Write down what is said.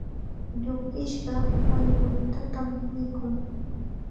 Yukisqa wayquytatam mikun.